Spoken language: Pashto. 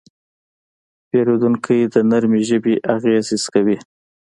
پیرودونکی د نرمې ژبې اغېز حس کوي.